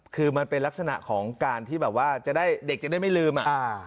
คือมันเป็นลักษณะของการที่แบบว่าจะได้เด็กจะได้ไม่ลืมอ่ะ